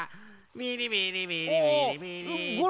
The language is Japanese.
ビリビリビリビリビリーッと。